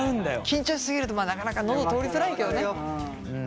緊張し過ぎるとなかなか喉通りづらいけどね。